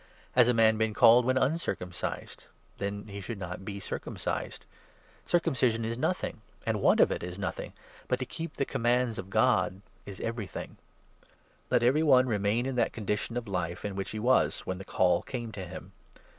Has a man been called when uncircumcised ? Then he should not be circumcised. Circumcision is nothing ; the want of it is nothing ; but to ic keep the commands of God is everything. Let every one 2C remain in that condition of life in which he was when the Call came to him.